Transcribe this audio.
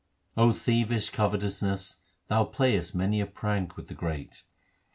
thievish covetousness, thou playest many a prank with the great.